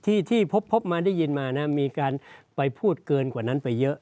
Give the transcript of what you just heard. ที่ที่พบมาได้ยินมานะมีการไปพูดเกินกว่านั้นไปเยอะ